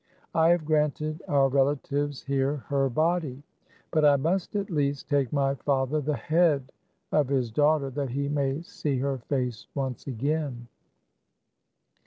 I have granted our relatives here her body ; but I must, at least, take my father the head of his daughter, that he may see her face once again."